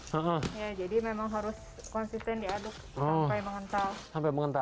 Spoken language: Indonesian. jadi memang harus konsisten diaduk sampai mengental